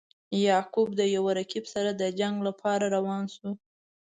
یعقوب د یو رقیب سره د جنګ لپاره روان شو.